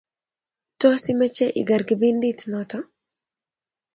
Tos, imache igeer kipindit noto?